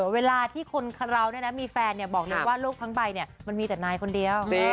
เวลาที่คนเรามีแฟนบอกเลยว่าโลกทั้งใบมันมีแต่นายคนเดียว